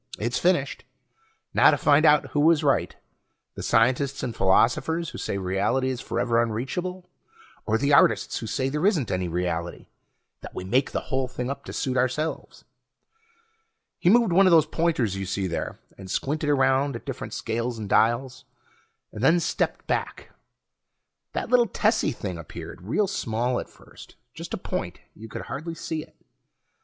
"It's finished. Now to find out who is right, the scientists and philosophers who say reality is forever unreachable, or the artists who say there isn't any reality that we make the whole thing up to suit ourselves." He moved one of those pointers you see there, and squinted around at the different scales and dials, and then stepped back. That little tessy thing appeared, real small at first. Just a point; you could hardly see it.